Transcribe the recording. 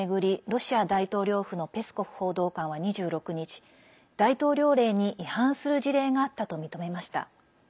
ロシア大統領府のペスコフ報道官は２６日大統領令に違反する事例があったと認めました。